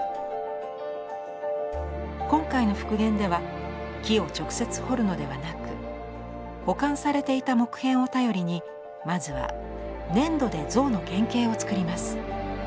今回の復元では木を直接彫るのではなく保管されていた木片を頼りにまずは粘土で像の原形をつくります。